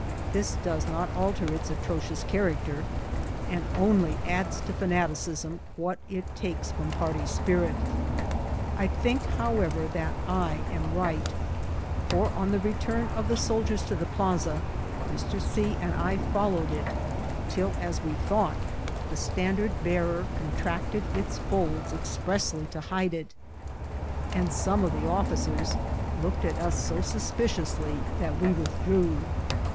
'' This does not alter its atrocious character, and only adds to fanaticism what it takes from party spirit. I think, however, that I am right ; for on the return of flie soldiers to the plaza, Mr. C. and I followed it, till, as we thought, the standard bearer contracted its folds ex \ FBEOCITT OP PAETT. SOt pfeady to hide it, and some of the officers looked at us so suspiciously that we withdrew.